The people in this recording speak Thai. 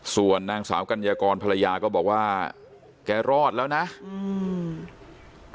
ส่วนนางสาวกัญญากรภรรยาก็บอกว่าแกรอดแล้วนะอืม